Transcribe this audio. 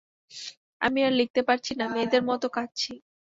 আমি আর লিখতে পারছি না, মেয়েদের মত কাঁদছি।